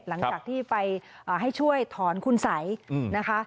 หลังจากที่ไปให้ช่วยถอนคุณสัยนะคะ